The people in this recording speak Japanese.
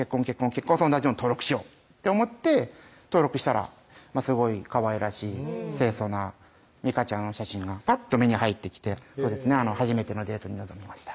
結婚相談所に登録しようと思って登録したらすごいかわいらしい清楚な美夏ちゃんの写真がぱっと目に入ってきて初めてのデートに臨みました